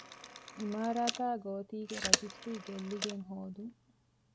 އިމާރާތާއި ގޯތީގެ ރަޖިސްޓްރީ ގެއްލިގެން ހޯދުން